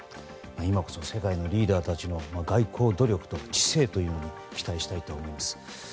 今こそ世界のリーダーたちの外交努力と知性に期待したいと思います。